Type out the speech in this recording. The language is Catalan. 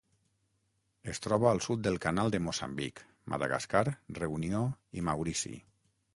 Es troba al sud del Canal de Moçambic, Madagascar, Reunió i Maurici.